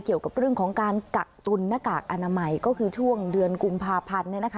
เกี่ยวกับเรื่องของการกักตุนหน้ากากอนามัยก็คือช่วงเดือนกุมภาพันธ์